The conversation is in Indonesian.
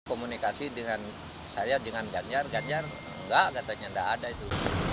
komunikasi dengan saya dengan ganjar ganjar enggak katanya enggak ada itu